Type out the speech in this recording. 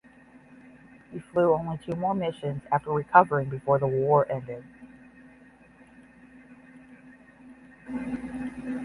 He flew only two more missions after recovering before the war ended.